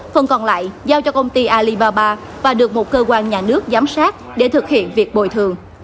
phần còn lại giao cho công ty alibaba và được một cơ quan nhà nước giám sát để thực hiện việc bồi thường